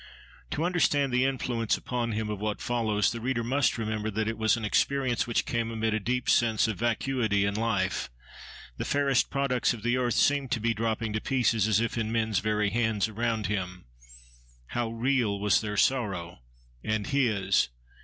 To understand the influence upon him of what follows the reader must remember that it was an experience which came amid a deep sense of vacuity in life. The fairest products of the earth seemed to be dropping to pieces, as if in men's very hands, around him. How real was their sorrow, and his!